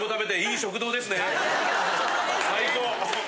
最高！